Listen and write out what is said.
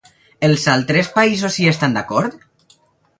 Els altres països hi estan d'acord?